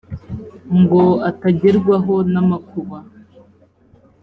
ngo atagerwaho n amakuba